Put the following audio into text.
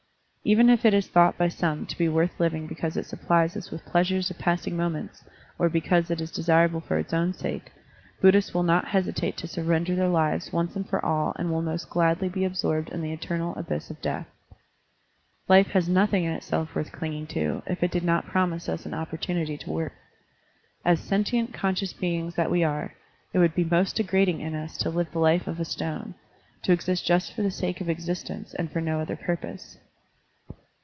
Even if it is thought by some to be worth living because it supplies us with pleasures of passing moments or because it is desirable for its own sake, Buddhists will not hesitate to sur Digitized by Google I08 SERMONS OP A BUDDHIST ABBOT render their lives once for all and will most gladly be absorbed in the eternal abyss of death. Life has nothing in itself worth clinging to, if it did not promise us an opportunity to work. As sentient, conscious beings that we are, it would be most degrading in us to live the life of a stone, to exist just for the sake of existence and for no other purpose.